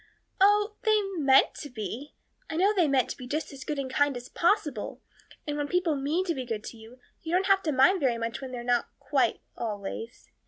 "Oh, they meant to be I know they meant to be just as good and kind as possible. And when people mean to be good to you, you don't mind very much when they're not quite always.